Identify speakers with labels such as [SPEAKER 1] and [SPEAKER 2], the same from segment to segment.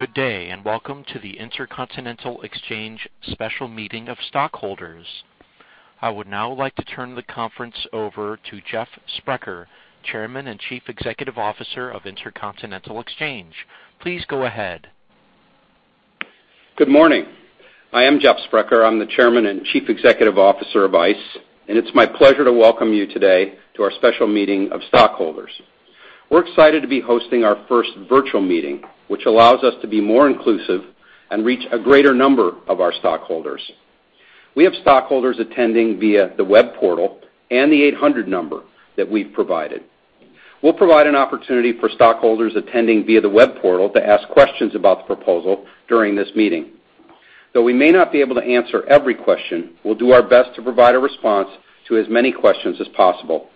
[SPEAKER 1] Good day, welcome to the Intercontinental Exchange special meeting of stockholders. I would now like to turn the conference over to Jeff Sprecher, Chairman and Chief Executive Officer of Intercontinental Exchange. Please go ahead.
[SPEAKER 2] Good morning. I am Jeff Sprecher. I'm the Chairman and Chief Executive Officer of ICE, it's my pleasure to welcome you today to our special meeting of stockholders. We're excited to be hosting our first virtual meeting, which allows us to be more inclusive and reach a greater number of our stockholders. We have stockholders attending via the web portal and the 800 number that we've provided. We'll provide an opportunity for stockholders attending via the web portal to ask questions about the proposal during this meeting. Though we may not be able to answer every question, we'll do our best to provide a response to as many questions as possible.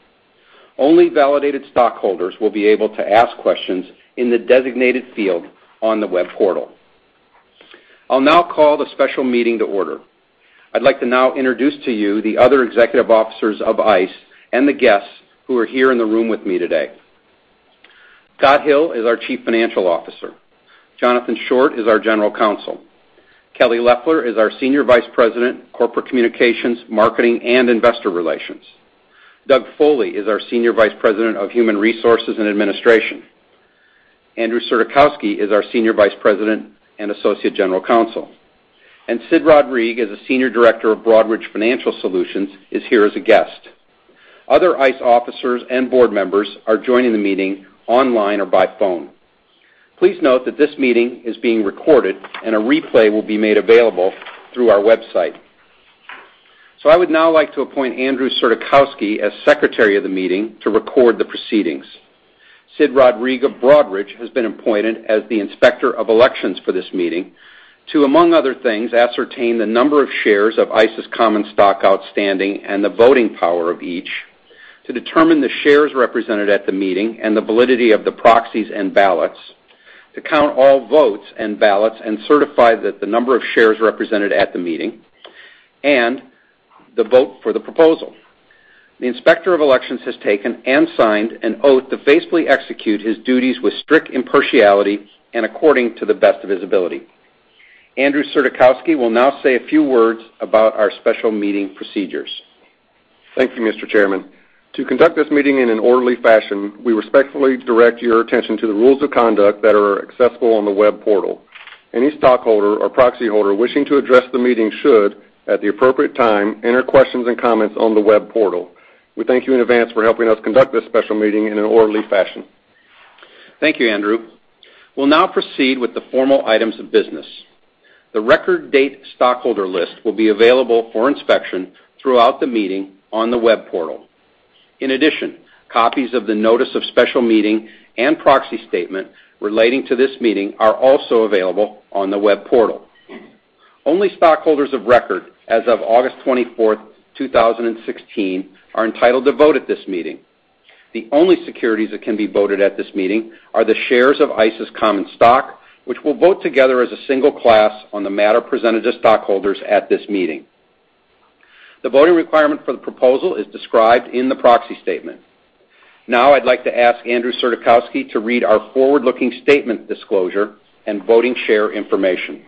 [SPEAKER 2] Only validated stockholders will be able to ask questions in the designated field on the web portal. I'll now call the special meeting to order. I'd like to now introduce to you the other executive officers of ICE and the guests who are here in the room with me today. Scott Hill is our Chief Financial Officer. Johnathan Short is our General Counsel. Kelly Loeffler is our Senior Vice President, Corporate Communications, Marketing, and Investor Relations. Doug Foley is our Senior Vice President of Human Resources and Administration. Andrew Surdykowski is our Senior Vice President and Associate General Counsel. Sid Rodrigue is a Senior Director of Broadridge Financial Solutions, is here as a guest. Other ICE officers and board members are joining the meeting online or by phone. Please note that this meeting is being recorded, and a replay will be made available through our website. I would now like to appoint Andrew Surdykowski as Secretary of the meeting to record the proceedings. Sid Rodrigue of Broadridge has been appointed as the Inspector of Elections for this meeting to, among other things, ascertain the number of shares of ICE's common stock outstanding and the voting power of each, to determine the shares represented at the meeting and the validity of the proxies and ballots, to count all votes and ballots and certify that the number of shares represented at the meeting and the vote for the proposal. The Inspector of Elections has taken and signed an oath to faithfully execute his duties with strict impartiality and according to the best of his ability. Andrew Surdykowski will now say a few words about our special meeting procedures.
[SPEAKER 3] Thank you, Mr. Chairman. To conduct this meeting in an orderly fashion, we respectfully direct your attention to the rules of conduct that are accessible on the web portal. Any stockholder or proxy holder wishing to address the meeting should, at the appropriate time, enter questions and comments on the web portal. We thank you in advance for helping us conduct this special meeting in an orderly fashion.
[SPEAKER 2] Thank you, Andrew. We'll now proceed with the formal items of business. The record date stockholder list will be available for inspection throughout the meeting on the web portal. In addition, copies of the notice of special meeting and proxy statement relating to this meeting are also available on the web portal. Only stockholders of record as of August 24th, 2016, are entitled to vote at this meeting. The only securities that can be voted at this meeting are the shares of ICE's common stock, which will vote together as a single class on the matter presented to stockholders at this meeting. The voting requirement for the proposal is described in the proxy statement. Now I'd like to ask Andrew Surdykowski to read our forward-looking statement disclosure and voting share information.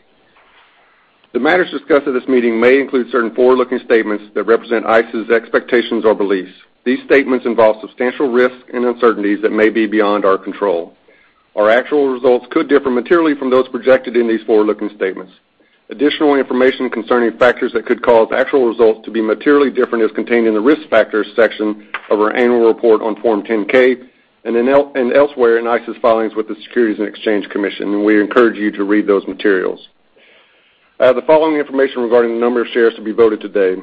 [SPEAKER 3] The matters discussed at this meeting may include certain forward-looking statements that represent ICE's expectations or beliefs. These statements involve substantial risks and uncertainties that may be beyond our control. Our actual results could differ materially from those projected in these forward-looking statements. Additional information concerning factors that could cause actual results to be materially different is contained in the Risk Factors section of our annual report on Form 10-K and elsewhere in ICE's filings with the Securities and Exchange Commission. We encourage you to read those materials. I have the following information regarding the number of shares to be voted today.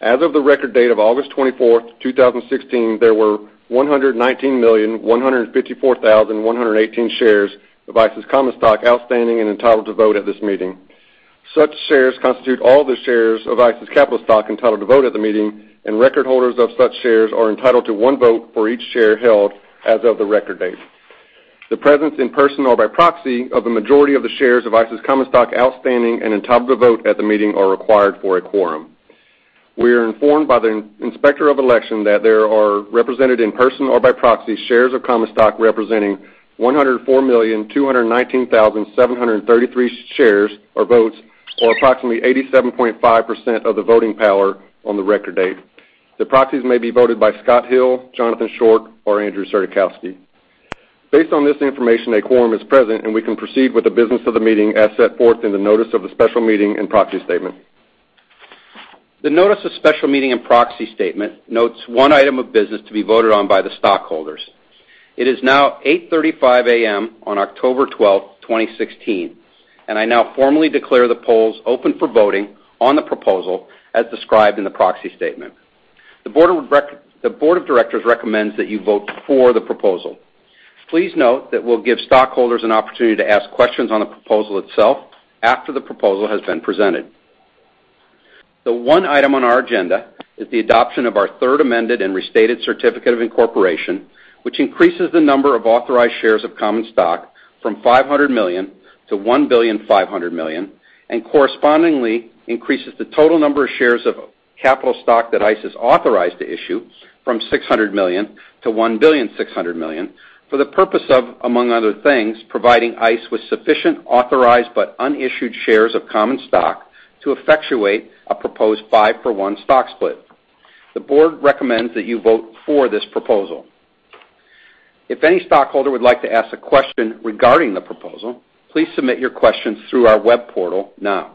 [SPEAKER 3] As of the record date of August 24th, 2016, there were 119,154,118 shares of ICE's common stock outstanding and entitled to vote at this meeting. Such shares constitute all the shares of ICE's capital stock entitled to vote at the meeting. Record holders of such shares are entitled to one vote for each share held as of the record date. The presence in person or by proxy of the majority of the shares of ICE's common stock outstanding and entitled to vote at the meeting are required for a quorum. We are informed by the Inspector of Elections that there are represented in person or by proxy shares of common stock representing 104,219,733 shares, or votes, or approximately 87.5% of the voting power on the record date. The proxies may be voted by Scott Hill, Johnathan Short, or Andrew Surdykowski. Based on this information, a quorum is present, we can proceed with the business of the meeting as set forth in the notice of the special meeting and proxy statement.
[SPEAKER 2] The notice of special meeting and proxy statement notes one item of business to be voted on by the stockholders. It is now 8:35 A.M. on October 12, 2016, I now formally declare the polls open for voting on the proposal as described in the proxy statement. The Board of Directors recommends that you vote for the proposal. Please note that we'll give stockholders an opportunity to ask questions on the proposal itself after the proposal has been presented. The one item on our agenda is the adoption of our Third Amended and Restated Certificate of Incorporation, which increases the number of authorized shares of common stock from $500 million to $1.5 billion. Correspondingly, increases the total number of shares of capital stock that ICE is authorized to issue from $600 million to $1.6 billion for the purpose of, among other things, providing ICE with sufficient authorized but unissued shares of common stock to effectuate a proposed 5-for-1 stock split. The Board recommends that you vote for this proposal. If any stockholder would like to ask a question regarding the proposal, please submit your questions through our web portal now.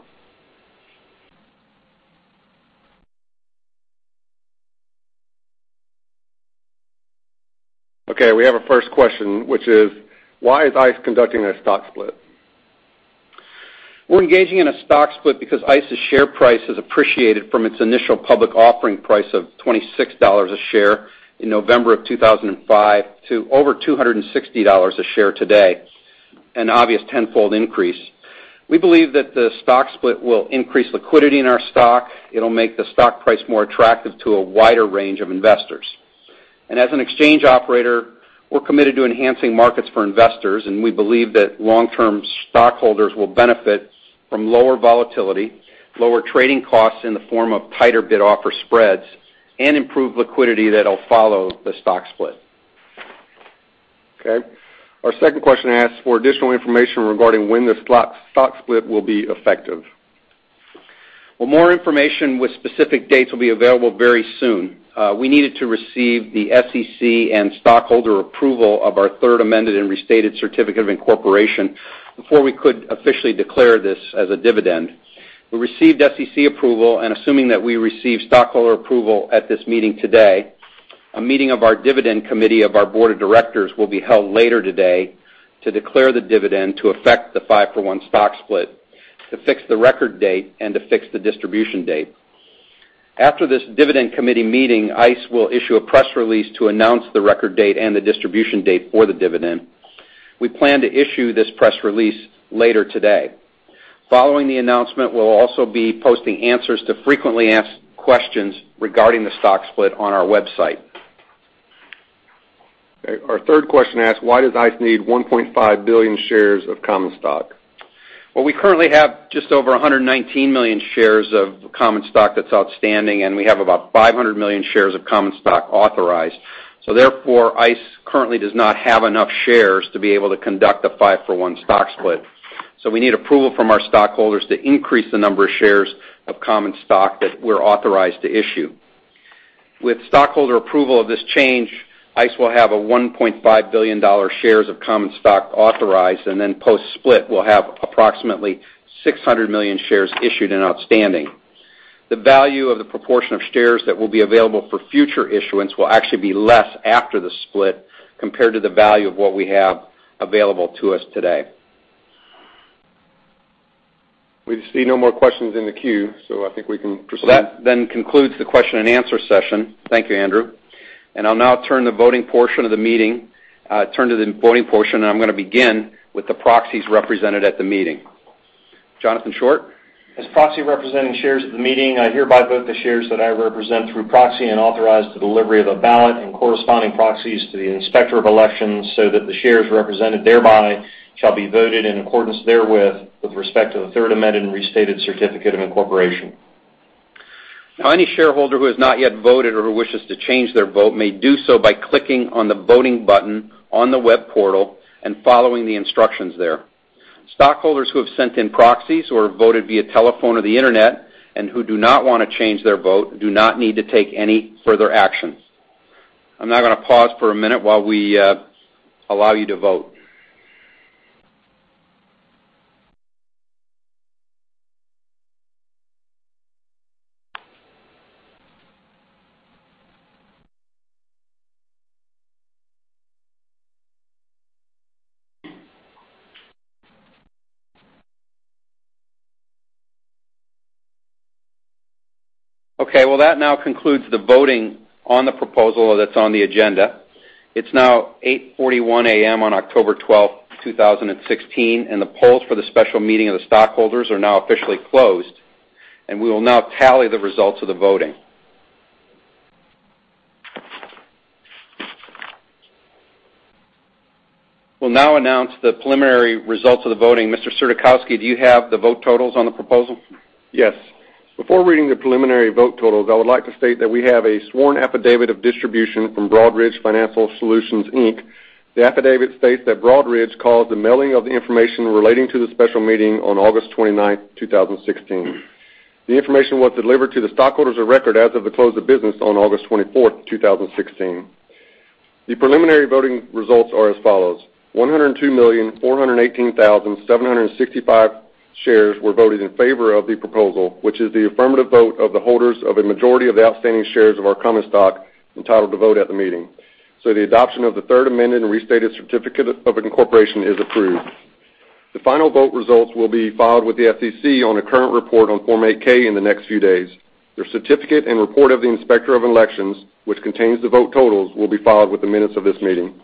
[SPEAKER 3] Okay, we have a first question, which is, why is ICE conducting a stock split?
[SPEAKER 2] We're engaging in a stock split because ICE's share price has appreciated from its initial public offering price of $26 a share in November of 2005 to over $260 a share today, an obvious tenfold increase. We believe that the stock split will increase liquidity in our stock. It'll make the stock price more attractive to a wider range of investors. As an exchange operator, we're committed to enhancing markets for investors, and we believe that long-term stockholders will benefit from lower volatility, lower trading costs in the form of tighter bid-offer spreads, and improved liquidity that'll follow the stock split.
[SPEAKER 3] Okay. Our second question asks for additional information regarding when the stock split will be effective.
[SPEAKER 2] Well, more information with specific dates will be available very soon. We needed to receive the SEC and stockholder approval of our Third Amended and Restated Certificate of Incorporation before we could officially declare this as a dividend. We received SEC approval, assuming that we receive stockholder approval at this meeting today, a meeting of our dividend committee of our board of directors will be held later today to declare the dividend to affect the five for one stock split, to fix the record date, and to fix the distribution date. After this dividend committee meeting, ICE will issue a press release to announce the record date and the distribution date for the dividend. We plan to issue this press release later today. Following the announcement, we'll also be posting answers to frequently asked questions regarding the stock split on our website.
[SPEAKER 3] Okay. Our third question asks, why does ICE need 1.5 billion shares of common stock?
[SPEAKER 2] Well, we currently have just over 119 million shares of common stock that's outstanding, and we have about 500 million shares of common stock authorized. Therefore, ICE currently does not have enough shares to be able to conduct a 5 for 1 stock split. We need approval from our stockholders to increase the number of shares of common stock that we're authorized to issue. With stockholder approval of this change, ICE will have $1.5 billion shares of common stock authorized, and then post-split, we'll have approximately 600 million shares issued and outstanding. The value of the proportion of shares that will be available for future issuance will actually be less after the split compared to the value of what we have available to us today.
[SPEAKER 3] We see no more questions in the queue. I think we can proceed.
[SPEAKER 2] That concludes the question and answer session. Thank you, Andrew. I'll now turn to the voting portion, and I'm going to begin with the proxies represented at the meeting. Johnathan Short?
[SPEAKER 4] As proxy representing shares at the meeting, I hereby vote the shares that I represent through proxy and authorize the delivery of a ballot and corresponding proxies to the Inspector of Elections so that the shares represented thereby shall be voted in accordance therewith with respect to the Third Amended and Restated Certificate of Incorporation.
[SPEAKER 2] Any shareholder who has not yet voted or who wishes to change their vote may do so by clicking on the voting button on the web portal and following the instructions there. Stockholders who have sent in proxies or voted via telephone or the Internet and who do not want to change their vote do not need to take any further actions. I'm now going to pause for a minute while we allow you to vote. Okay. Well, that now concludes the voting on the proposal that's on the agenda. It's now 8:41 A.M. on October twelfth, 2016, and the polls for the special meeting of the stockholders are now officially closed. We will now tally the results of the voting. We'll now announce the preliminary results of the voting. Mr. Surdykowski, do you have the vote totals on the proposal?
[SPEAKER 3] Yes. Before reading the preliminary vote totals, I would like to state that we have a sworn affidavit of distribution from Broadridge Financial Solutions, Inc. The affidavit states that Broadridge caused the mailing of the information relating to the special meeting on August twenty-ninth, 2016. The information was delivered to the stockholders of record as of the close of business on August twenty-fourth, 2016. The preliminary voting results are as follows: 102,418,765 shares were voted in favor of the proposal, which is the affirmative vote of the holders of a majority of the outstanding shares of our common stock entitled to vote at the meeting. The adoption of the Third Amended and Restated Certificate of Incorporation is approved. The final vote results will be filed with the SEC on a current report on Form 8-K in the next few days. The certificate and report of the Inspector of Elections, which contains the vote totals, will be filed with the minutes of this meeting.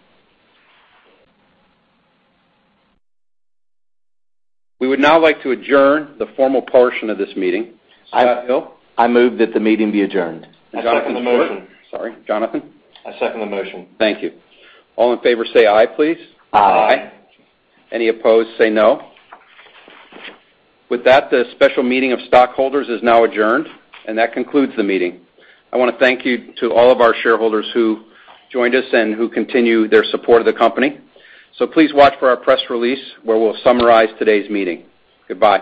[SPEAKER 2] We would now like to adjourn the formal portion of this meeting. Scott Hill?
[SPEAKER 1] I move that the meeting be adjourned.
[SPEAKER 4] I second the motion.
[SPEAKER 2] Sorry, Johnathan?
[SPEAKER 4] I second the motion.
[SPEAKER 2] Thank you. All in favor say aye, please.
[SPEAKER 1] Aye.
[SPEAKER 4] Aye.
[SPEAKER 2] Any opposed, say no. With that, this special meeting of stockholders is now adjourned, and that concludes the meeting. I want to thank you to all of our shareholders who joined us and who continue their support of the company. Please watch for our press release, where we'll summarize today's meeting. Goodbye